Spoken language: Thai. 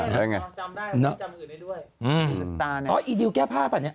ลูกฉันจำได้แต่ลูกไม่จำอื่นเลยด้วย